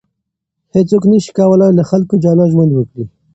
هیڅوک نسي کولای له خلکو جلا ژوند وکړي.